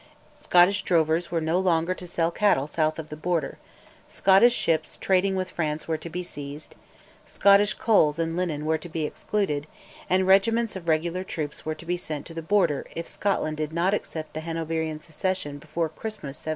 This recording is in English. Scottish drovers were no longer to sell cattle south of the Border, Scottish ships trading with France were to be seized, Scottish coals and linen were to be excluded, and regiments of regular troops were to be sent to the Border if Scotland did not accept the Hanoverian succession before Christmas 1705.